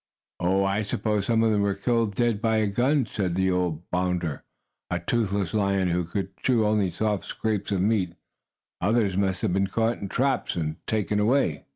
"Oh, I suppose some of them were killed dead by a gun," said old Bounder, a toothless lion who could chew only soft scraps of meat. "Others must have been caught in traps and taken away."